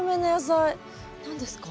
何ですか？